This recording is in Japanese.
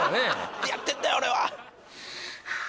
「何やってんだよ俺は！」